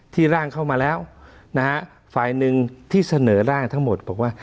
ร่างเข้ามาแล้วนะฮะฝ่ายหนึ่งที่เสนอร่างทั้งหมดบอกว่า